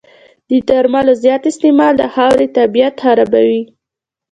د درملو زیات استعمال د خاورې طبعیت خرابوي.